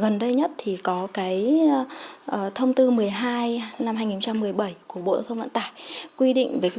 gần đây nhất thì có thông tư một mươi hai năm hai nghìn một mươi bảy của bộ thông vận tải quy định về việc